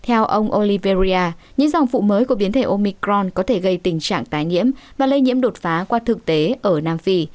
theo ông oliveria những dòng phụ mới của biến thể omicron có thể gây tình trạng tái nhiễm và lây nhiễm đột phá qua thực tế ở nam phi